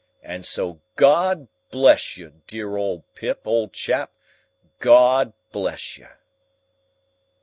And so GOD bless you, dear old Pip, old chap, GOD bless you!"